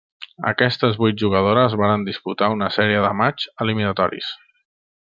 Aquestes vuit jugadores varen disputar una sèrie de matxs eliminatoris.